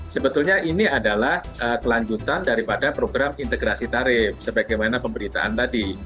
sebetulnya ini adalah kelanjutan daripada program integrasi tarif sebagaimana pemberitaan tadi